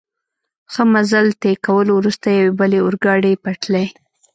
ښه مزل طی کولو وروسته، یوې بلې اورګاډي پټلۍ.